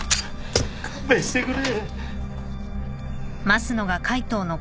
勘弁してくれ。